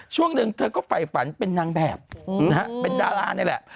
ช่วงหนึ่งเธอก็ฝ่ายฝันเป็นนางแบบนะฮะเป็นดารานี่แหละ